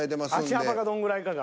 足幅がどんぐらいかが。